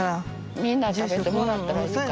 みんな食べてもらったらいいかな。